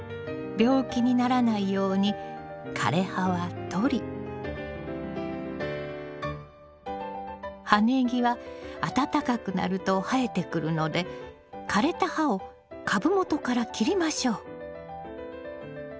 病気にならないように枯れ葉は取り葉ネギは暖かくなると生えてくるので枯れた葉を株元から切りましょう。